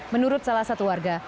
menurut salah satu warga